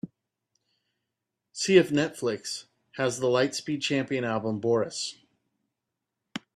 See if Netflix has the Lightspeed Champion album boris